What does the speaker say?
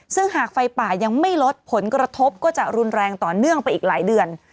ซึ่งหากไฟป่ายังไม่ลดผลกระทบก็จะรุนแรงต่อเนื่องไปอีกหลายเดือน